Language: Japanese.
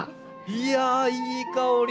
いやあいい香り。